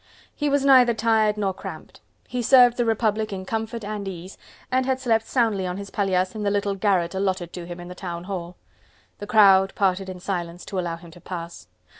He was neither tired nor cramped; he served the Republic in comfort and ease, and had slept soundly on his paillasse in the little garret allotted to him in the Town Hall. The crowd parted in silence, to allow him to pass.